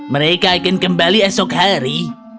mereka akan kembali esok hari